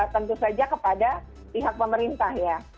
tentu saja kepada pihak pemerintah ya